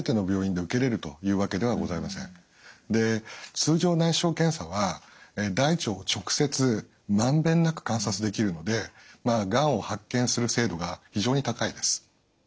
通常内視鏡検査は大腸を直接まんべんなく観察できるのでがんを発見する精度が非常に高いです。